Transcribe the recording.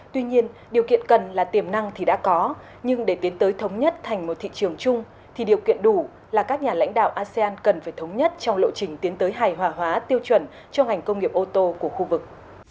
tuy nhiên điều kiện cần là tiềm năng thì đã có nhưng để tiến tới thống nhất thành một thị trường chung thì điều kiện đủ là các nhà lãnh đạo asean cần phải thống nhất trong lộ trình tiến tới hài hòa hóa tiêu chuẩn cho ngành công nghiệp ô tô của khu vực